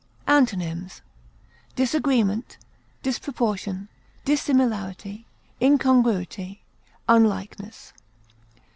Antonyms: disagreement, disproportion, dissimilarity, incongruity, unlikeness.